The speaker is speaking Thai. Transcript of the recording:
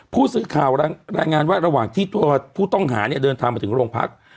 ผู้สื่อข่าวรายงานว่าระหว่างที่ตัวผู้ต้องหาเนี่ยเดินทางมาถึงโรงพัก